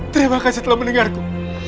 terima kasih telah mendengarku